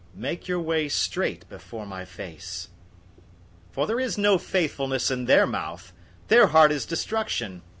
Make your way straight before my face. 005:009 For there is no faithfulness in their mouth. Their heart is destruction.